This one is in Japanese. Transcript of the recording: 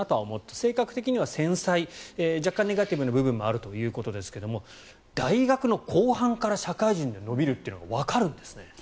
性格的には繊細若干ネガティブな部分があるということですが大学の後半から社会人で伸びるというのがわかるんですね。